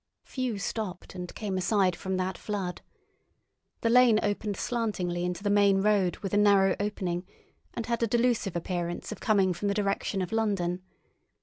Few stopped and came aside from that flood. The lane opened slantingly into the main road with a narrow opening, and had a delusive appearance of coming from the direction of London.